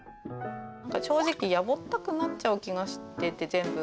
正直やぼったくなっちゃう気がしてて全部。